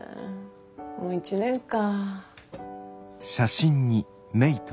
もう１年か。